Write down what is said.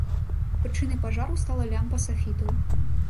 Прычынай пажару стала лямпа сафітаў.